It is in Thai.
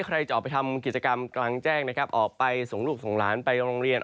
ใครจะออกไปทำกิจกรรมกลางแจ้งนะครับออกไปส่งลูกส่งหลานไปโรงเรียน